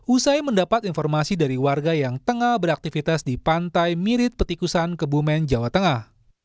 usai mendapat informasi dari warga yang tengah beraktivitas di pantai mirip petikusan kebumen jawa tengah